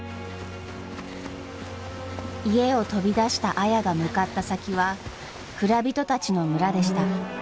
家を飛び出した綾が向かった先は蔵人たちの村でした。